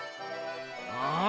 ああ！